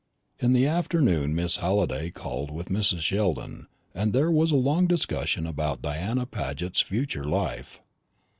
In the afternoon Miss Halliday called with Mrs. Sheldon, and there was a long discussion about Diana Paget's future life.